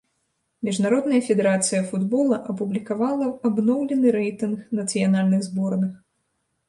Міжнародная федэрацыя футбола апублікавала абноўлены рэйтынг нацыянальных зборных.